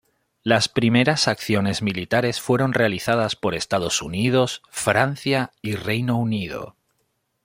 Las primeras acciones militares fueron realizadas por Estados Unidos, Francia y Reino Unido.